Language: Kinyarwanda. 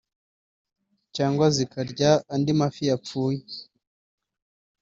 cyangwa zikarya andi mafi yapfuye